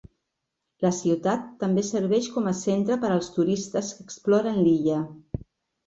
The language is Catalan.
La ciutat també serveix com a centre per als turistes que exploren l'illa.